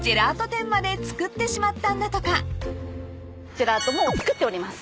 ジェラートも作っております。